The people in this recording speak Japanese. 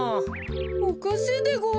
おかしいでごわす。